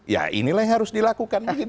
ya inilah yang harus dilakukan